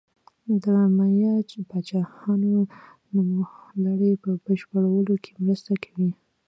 د مایا پاچاهانو نوملړ په بشپړولو کې مرسته کوي.